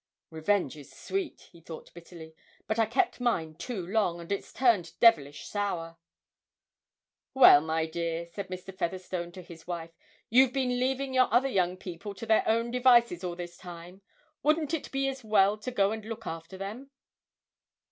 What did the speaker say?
'Revenge is sweet,' he thought bitterly, 'but I kept mine too long, and it's turned devilish sour!' 'Well, my dear,' said Mr. Featherstone to his wife, 'you've been leaving your other young people to their own devices all this time. Wouldn't it be as well to go and look after them?'